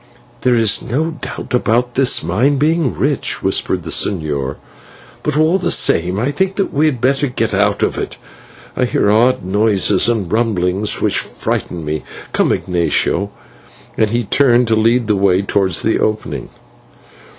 "There is no doubt about this mine being rich," whispered the señor; "but all the same I think that we had better get out of it. I hear odd noises and rumblings which frighten me. Come, Ignatio," and he turned to lead the way towards the opening.